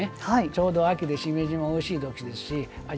ちょうど秋でしめじもおいしい時ですし味